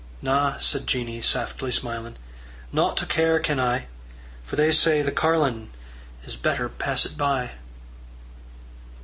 "Na," said Jeannie, saftly smilin', "Nought o' care ken I; For they say the carlin' Is better passit by."